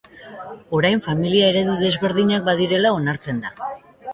Orain familia eredu desberdinak badirela onartzen da.